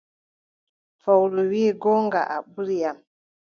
Fowru wii, goongo, a ɓuri am.